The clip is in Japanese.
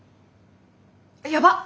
やばっ